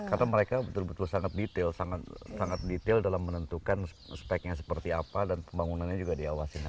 karena mereka betul betul sangat detail dalam menentukan speknya seperti apa dan pembangunannya juga diawasin dengan